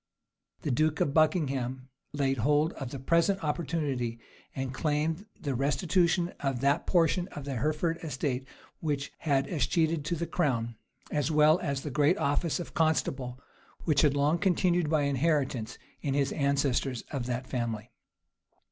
The duke of Buckingham laid hold of the present opportunity, and claimed the restitution of that portion of the Hereford estate which had escheated to the crown, as well as of the great office of constable, which had long continued by inheritance in his ancestors of that family.